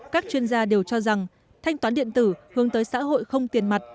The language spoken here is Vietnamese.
các chuyên gia đều cho rằng thanh toán điện tử hướng tới xã hội không tiền mặt